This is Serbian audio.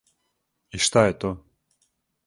И шта је то?